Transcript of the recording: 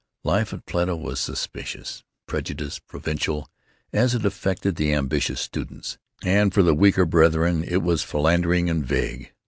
Life at Plato was suspicious, prejudiced, provincial, as it affected the ambitious students; and for the weaker brethren it was philandering and vague.